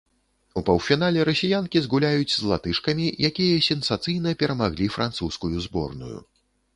У паўфінале расіянкі згуляюць з латышкамі, якія сенсацыйна перамаглі французскую зборную.